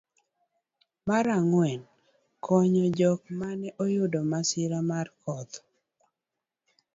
mar ang'wen, konyo jok mane oyudo masira mar koth